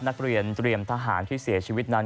นักเรียนเตรียมทหารที่เสียชีวิตนั้น